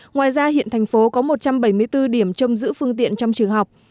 ngoài ra hiện thành phố có một trăm bảy mươi bốn điểm trong giữ phương tiện trong trường học